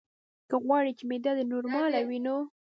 که غواړې چې معده دې نورماله وي نو: